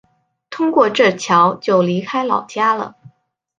通过这桥就离开老家了